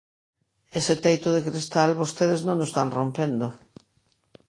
Ese teito de cristal vostedes non o están rompendo.